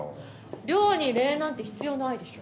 稜に礼なんて必要ないでしょ。